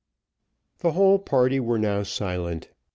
The whole party were now silent.